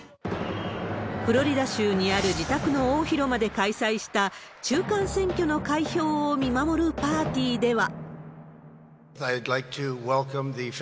フロリダ州にある自宅の大広間で開催した、中間選挙の開票を見守るパーティーでは。